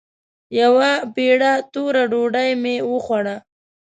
يوه پېړه توره ډوډۍ مې وخوړه.